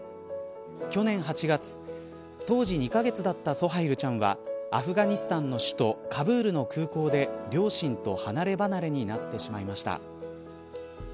去年８月当時２カ月だったソハイルちゃんはアフガニスタンの首都カブールの空港で両親と離ればなれになってしまいました。